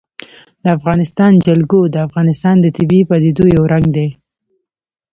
د افغانستان جلکو د افغانستان د طبیعي پدیدو یو رنګ دی.